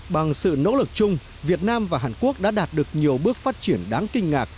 bằng sự nỗ lực chung việt nam và hàn quốc đã đạt được nhiều bước phát triển đáng kinh ngạc